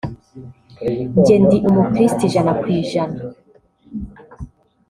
njye ndi umukristu ijana ku ijana